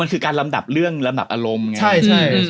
มันคือการลำดับเรื่องลำดับอารมณ์ไง